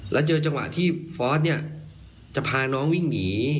แล้วเจอจังหวะที่ฟอร์สเนี่ยจะพาน้องวิ่งหนี